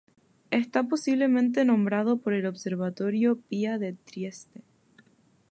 Está posiblemente nombrado por el observatorio Pia de Trieste.